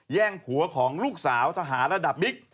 งผัวของลูกสาวทหารระดับบิ๊ก